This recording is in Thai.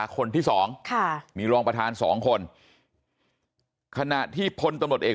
ขั้นขั้น